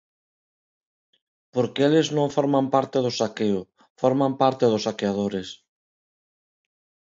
Porque eles non forman parte do saqueo, forman parte dos saqueadores.